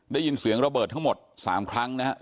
ได้ยินเสียงระเบิดทั้งหมด๓ครั้งนะครับ